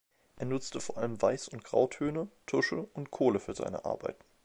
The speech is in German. Er nutzte vor allem Weiß- und Grautöne, Tusche und Kohle für seine Arbeiten.